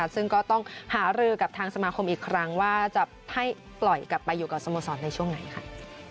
ซึ่งก็ต้องหารือกับทางสมาคมอีกครั้งว่าจะให้ปล่อยกลับไปอยู่กับสโมสรในช่วงไหนค่ะ